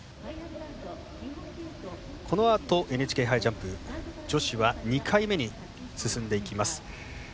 このあとＮＨＫ杯ジャンプ女子は２回目に進んでいきます。